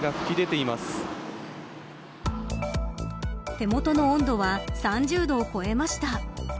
手元の温度は３０度を超えました。